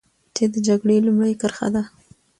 چې د جګړې لومړۍ کرښه ده.